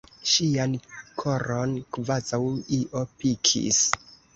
Ŝian koron kvazaŭ io pikis.